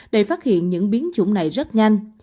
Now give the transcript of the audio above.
để phát hiện những biến chủng này rất nhanh